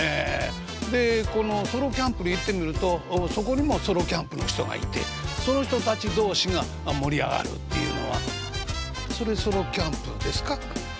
でこのソロキャンプに行ってみるとそこにもソロキャンプの人がいてその人たち同士が盛り上がるっていうのはそれソロキャンプですか？